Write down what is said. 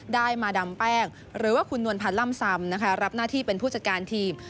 ได้มาดำแป้งหรือว่าคุณนวลพันธ์ล่ำซำนะคะรับหน้าที่เป็นผู้จัดการทีม